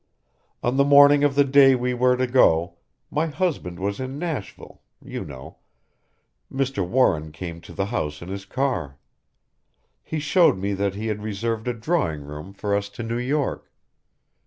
"On the morning of the day we were to go my husband was in Nashville, you know Mr. Warren came to the house in his car. He showed me that he had reserved a drawing room for us to New York.